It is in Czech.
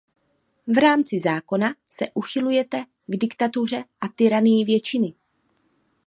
V rámci zákona se uchylujete k diktatuře a tyranii většiny.